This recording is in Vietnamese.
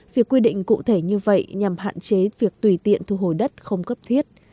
việc quy định cụ thể như vậy nhằm hạn chế việc tùy tiện thu hồi đất không cấp thiết